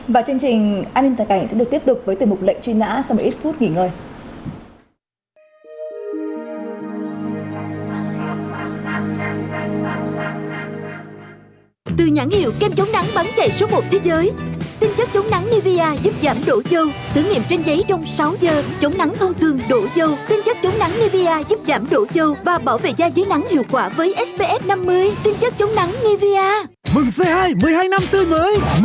và chương trình an ninh toàn cảnh sẽ được tiếp tục với từ bục lệnh truy nã xong và ít phút nghỉ ngơi